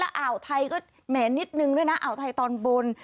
อ่าวไทยก็แหมนิดนึงด้วยนะอ่าวไทยตอนบน